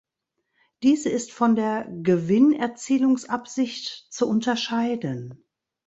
Diese ist von der "Gewinn"erzielungsabsicht zu unterscheiden.